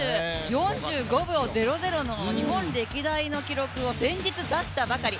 ４５秒００の日本歴代の記録を先日出したばかり。